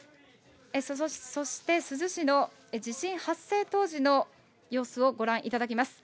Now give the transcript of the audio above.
そして珠洲市の地震発生当時の様子をご覧いただきます。